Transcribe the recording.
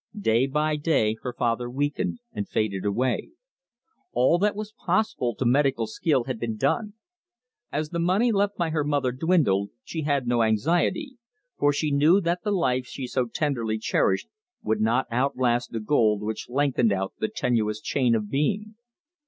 Day by day her father weakened and faded away. All that was possible to medical skill had been done. As the money left by her mother dwindled, she had no anxiety, for she knew that the life she so tenderly cherished would not outlast the gold which lengthened out the tenuous chain of being.